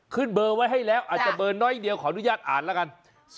เบอร์ไว้ให้แล้วอาจจะเบอร์น้อยเดียวขออนุญาตอ่านแล้วกัน